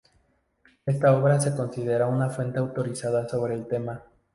Esta obra se considera una fuente autorizada sobre el tema.